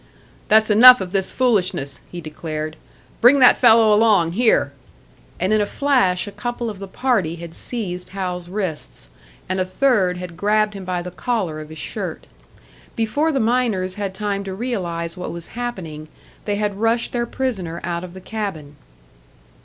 "That's enough of this foolishness," he declared. "Bring that fellow along here!" And in a flash a couple of the party had seized Hal's wrists, and a third had grabbed him by the collar of his shirt. Before the miners had time to realise what was happening, they had rushed their prisoner out of the cabin.